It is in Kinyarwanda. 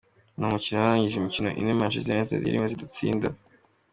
Ni umukino warangije imikino ine Manchester United yari imaze idatsinda.